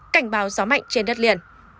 cảnh báo gió mạnh trên đất liền